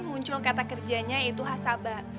muncul kata kerjanya yaitu hasaba